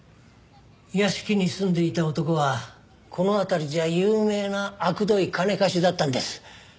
屋敷に住んでいた男はこの辺りじゃ有名なあくどい金貸しだったんです。